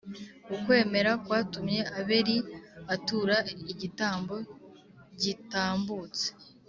ukwemera kwatumye abeli atura igitambo gitambutse